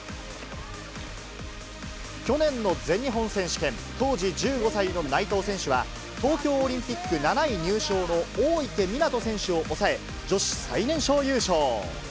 去年の全日本選手権、当時１５歳の内藤選手は、東京オリンピック７位入賞の大池水杜選手を抑え、女子最年少優勝。